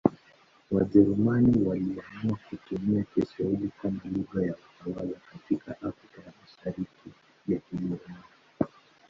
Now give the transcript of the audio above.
Wajerumani waliamua kutumia Kiswahili kama lugha ya utawala katika Afrika ya Mashariki ya Kijerumani.